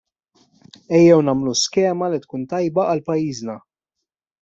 Ejja nagħmlu skema li tkun tajba għal pajjiżna.